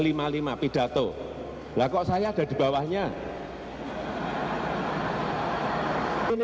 ini yang kadang kadang aduh mau saya tabok orangnya dimana saya cari betul